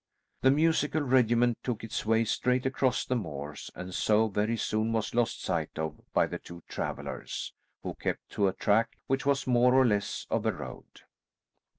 The musical regiment took its way straight across the moors and so very soon was lost sight of by the two travellers, who kept to a track which was more or less of a road.